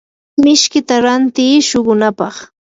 mishkita rantiiy shuqunapaq.